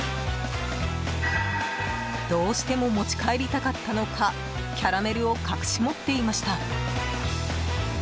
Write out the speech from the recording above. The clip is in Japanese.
どうしても持ち帰りたかったのかキャラメルを隠し持っていました。